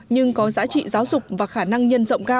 nhưng có giá trị giáo dục và khó khăn